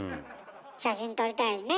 写真撮りたいねえ。